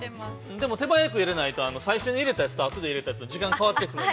でも、手早く入れないと、最初に入れたやつと、あとで入れたやつが、時間が変わってくるので。